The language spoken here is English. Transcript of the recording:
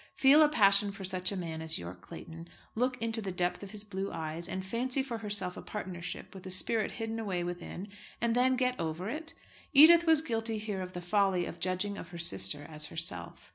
Feel a passion for such a man as Yorke Clayton, look into the depth of his blue eyes, and fancy for herself a partnership with the spirit hidden away within, and then get over it! Edith was guilty here of the folly of judging of her sister as herself.